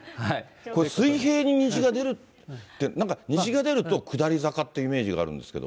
これ、水平に虹が出るって、なんか虹が出ると下り坂っていうイメージがあるんですけど。